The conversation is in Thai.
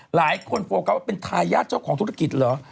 โฟกัสว่าเป็นทายาทเจ้าของธุรกิจเหรอ